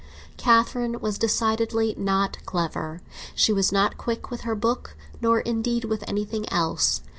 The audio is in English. Catherine was decidedly not clever; she was not quick with her book, nor, indeed, with anything else.